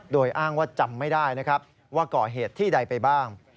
โดยอ้างว่าจำไม่ได้นะครับว่าก่อเหตุที่ใดไปบ้าง